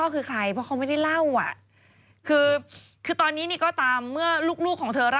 คือพ่อจะอายุ๗๐หรือ